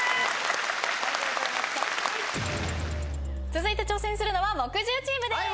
続いて挑戦するのは木１０チームです。